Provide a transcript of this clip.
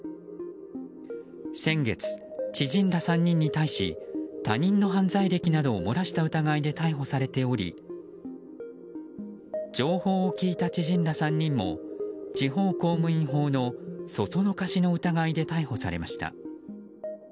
先月、知人ら３人に対し他人の犯罪歴などを漏らした疑いで逮捕されており情報を聞いた知人ら３人も地方公務員法のそそのかしの疑いで逮捕されました。